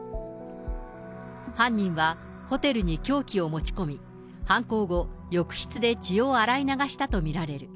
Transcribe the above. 犯人はホテルに凶器を持ち込み、犯行後、浴室で血を洗い流したと見られる。